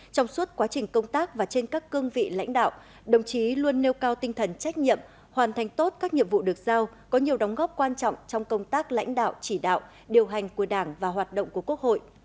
trong suốt quá trình công tác và trên các cương vị lãnh đạo đồng chí luôn nêu cao tinh thần trách nhiệm hoàn thành tốt các nhiệm vụ được giao có nhiều đóng góp quan trọng trong công tác lãnh đạo chỉ đạo điều hành của đảng và hoạt động của quốc hội